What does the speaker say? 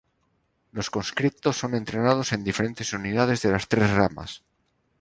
Los conscriptos son entrenados en diferentes unidades de las tres ramas.